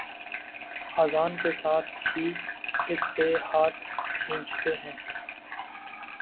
اذان کے ساتھ ہی اس سے ہاتھ کھینچتے ہیں